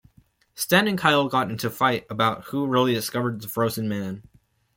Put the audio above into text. Stan and Kyle get into a fight about who really discovered the frozen man.